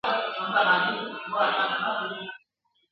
یو ګیدړ د شپې په ښکار وو راوتلی ..